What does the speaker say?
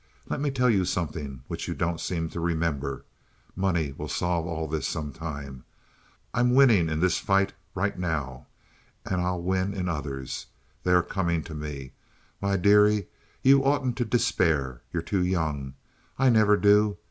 Let me tell you something which you don't seem to remember. Money will solve all this sometime. I'm winning in this fight right now, and I'll win in others. They are coming to me. Why, dearie, you oughtn't to despair. You're too young. I never do.